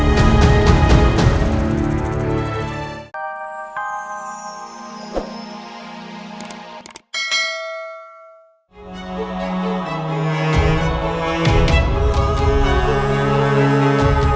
sampai jumpa di video selanjutnya